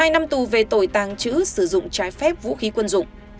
hai năm tù về tội tàng trữ sử dụng trái phép vũ khí quân dụng